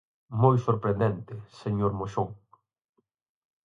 Moi sorprende, señor Moxón.